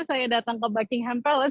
saya datang ke buckingham palace